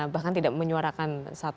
bahkan tidak menyuarakan